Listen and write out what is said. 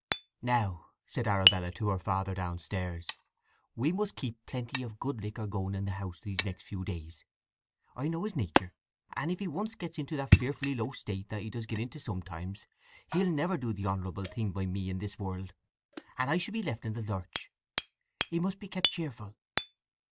"Now," said Arabella to her father downstairs, "we must keep plenty of good liquor going in the house these next few days. I know his nature, and if he once gets into that fearfully low state that he does get into sometimes, he'll never do the honourable thing by me in this world, and I shall be left in the lurch. He must be kept cheerful.